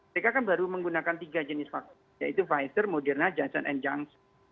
mereka kan baru menggunakan tiga jenis vaksin yaitu pfizer moderna jason and junc